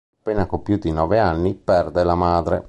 Appena compiuti i nove anni perde la madre.